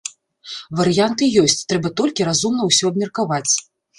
Варыянты ёсць, трэба толькі разумна ўсё абмеркаваць.